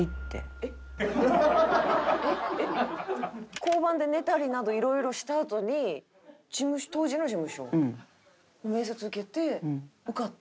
交番で寝たりなど色々したあとに当時の事務所の面接受けて受かって。